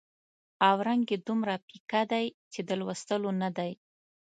او رنګ یې دومره پیکه دی چې د لوستلو نه دی.